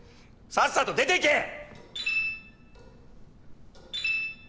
さっさと出ていけ！